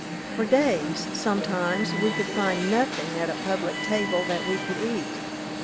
For days, sometimes, we could find nothing at a public table that we could eat.